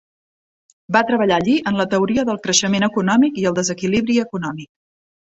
Va treballar allí en la teoria del creixement econòmic i el desequilibri econòmic.